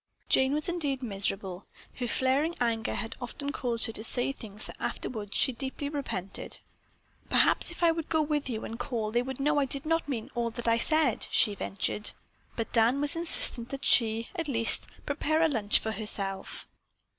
Jane was indeed miserable. Her flaring anger had often caused her to say things that afterwards she deeply repented. "Perhaps if I would go with you and call they would know that I did not mean all that I said," she ventured. But Dan was insistent that she, at least, prepare a lunch for herself.